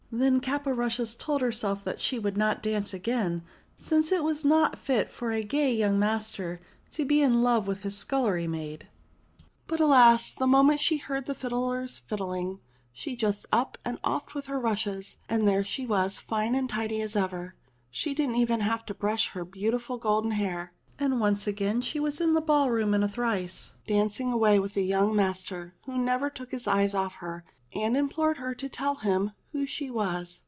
Then Caporushes told herself she would not dance again, since it was not fit for a gay young master to be in love with his scullery maid ; but, alas ! the moment she heard the fiddlers fiddling, she just upped and off^ed with her rushes, and there she was fine and tidy as ever ! She didn't even have to brush her beautiful golden hair ! And once again she was in the ball room in a trice, dancing away with young master who never took his eyes off^ her, and implored her to tell him who she was.